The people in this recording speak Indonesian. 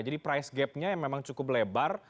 jadi price gapnya memang cukup lebar